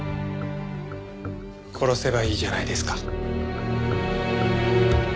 殺せばいいじゃないですか。